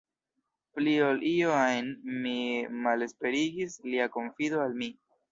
Pli ol io ajn, min malesperigis lia konfido al mi.